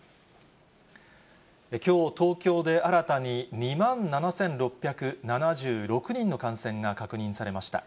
きょう、東京で新たに２万７６７６人の感染が確認されました。